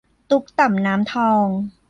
ตุ๊กต่ำน้ำทอง